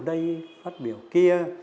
đây phát biểu kia